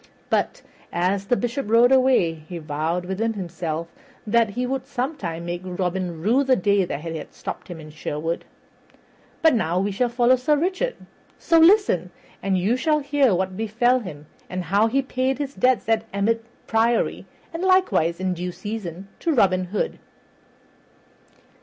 But, as the Bishop rode away, he vowed within himself that he would sometime make Robin rue the day that he stopped him in Sherwood. But now we shall follow Sir Richard; so listen, and you shall hear what befell him, and how he paid his debts at Emmet Priory, and likewise in due season to Robin Hood.